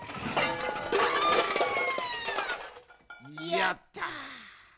やった。